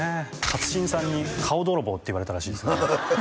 勝新さんに「顔泥棒」って言われたらしいですよ